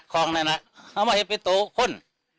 เขาบอกให้ปิดตัวคุณ